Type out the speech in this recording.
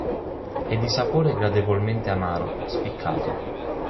È di sapore gradevolmente amaro, spiccato.